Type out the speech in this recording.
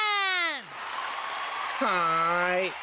はい。